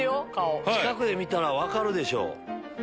近くで見たら分かるでしょ。